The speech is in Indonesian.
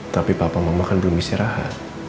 tapi papa mau makan belum bisa raha